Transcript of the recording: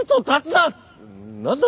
なんだ？